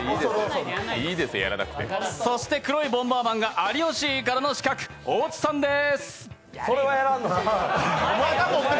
そして黒いボンバーマンが「有吉ぃぃｅｅｅｅｅ！」からの刺客大津さんです。